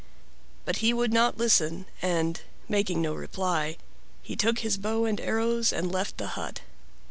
But he would not listen, and, making no reply, he took his bow and arrows and left the hut.